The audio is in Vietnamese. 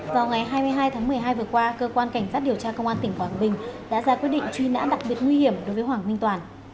vào ngày hai mươi hai tháng một mươi hai vừa qua cơ quan cảnh sát điều tra công an tỉnh quảng bình đã ra quyết định truy nã đặc biệt nguy hiểm đối với hoàng minh toàn